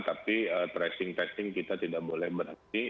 tapi tracing testing kita tidak boleh berhenti